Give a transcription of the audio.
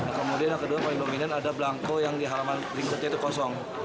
kemudian yang kedua yang paling dominan ada belangko yang di halaman ringsetnya itu kosong